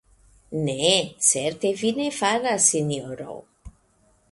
Ne, certe vi ne faras, sinjoro .